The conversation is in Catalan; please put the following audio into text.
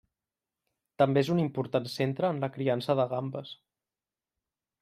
També és un important centre en la criança de gambes.